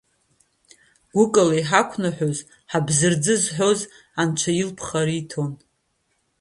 Гәыкала иҳақәныҳәоз, ҳабзарӡы зҳәоз, Анцәа илԥха риҭон.